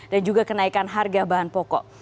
juga kenaikan harga bahan pokok